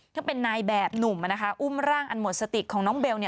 ถ้าเป็นนายแบบหนุ่มอุ้มร่างอันหมดสติของน้องเบล